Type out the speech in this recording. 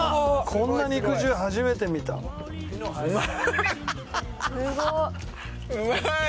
こんな肉汁初めて見たうまーい